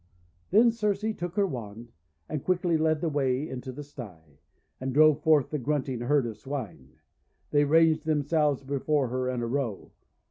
Then Circe took her wand, and quickly led the way into the sty, and drove forth the grunting herd of Swine. They ranged themselves before her in a row.